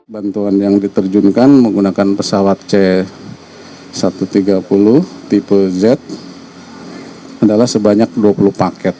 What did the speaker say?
bantuan yang diterjunkan menggunakan pesawat c satu ratus tiga puluh tipe z adalah sebanyak dua puluh paket